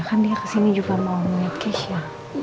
kan dia kesini juga mau ngeliat kes ya